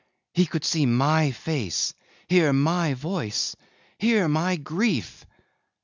He could see my face, hear my voice, hear my grief!